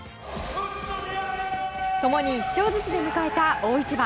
共に１勝ずつで迎えた大一番。